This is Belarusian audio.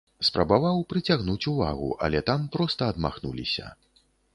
Спрабаваў прыцягнуць увагу, але там проста адмахнуліся.